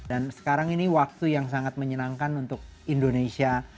dan sekarang ini waktu yang sangat menyenangkan untuk indonesia